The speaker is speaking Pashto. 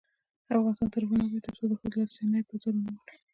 افغانستان تر هغو نه ابادیږي، ترڅو د ښځو لاسي صنایع بازار ونه مومي.